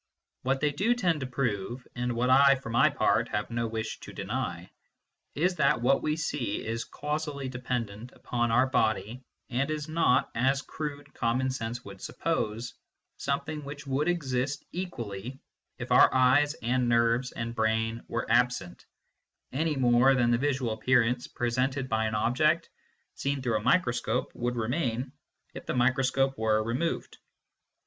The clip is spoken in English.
What they do tend to prove, and what I for my part have no wish to deny, is that what we see is causally dependent upon our body arid is not, as crude common sense would suppose, something which would exist equally if our eyes and nerves and brain were absent, any more than the visual appearance pre sented by an object seen through a microscope would re main if the microscope were removed.